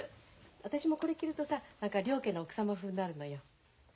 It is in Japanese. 私もこれ着るとさ何か良家の奥様風になるのよ。